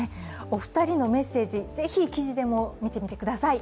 お二人のメッセージぜひ記事でも見てみてください。